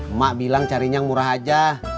emak bilang carinya murah aja